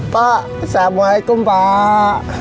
pak assalamualaikum pak